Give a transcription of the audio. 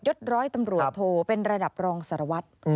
ศร้อยตำรวจโทเป็นระดับรองสารวัตร